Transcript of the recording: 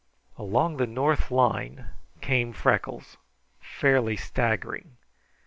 Along the north line came Freckles, fairly staggering.